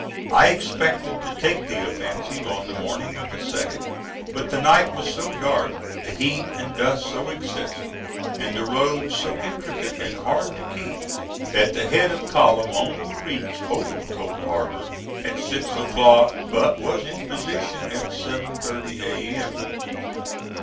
I expected to take the offensive on the morning of the 2d, but the night was so dark, the heat and dust so excessive and the roads so intricate and hard to keep, that the head of column only reached Old Cold Harbor at six o'clock, but was in position at 7.30 A.M.